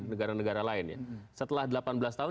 negara negara lain ya setelah delapan belas tahun